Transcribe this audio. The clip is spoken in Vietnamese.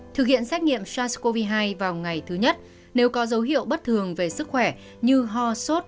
thực hiện xét nghiệm sars cov hai vào ngày thứ nhất nếu có dấu hiệu bất thường về sức khỏe như ho sốt